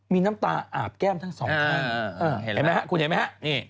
มีน้ำตาอาบแก้มทั้งสองไข่คุณเห็นมั้ยฮะ